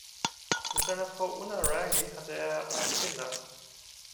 Mit seiner Frau Una Reilly hatte er acht Kinder.